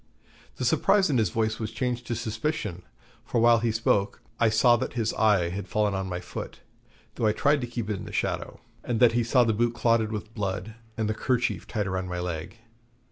The surprise in his voice was changed to suspicion, for while he spoke I saw that his eye had fallen on my foot, though I tried to keep it in the shadow; and that he saw the boot clotted with blood, and the kerchief tied round my leg.